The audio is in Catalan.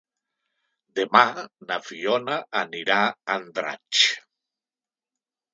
Demà na Fiona anirà a Andratx.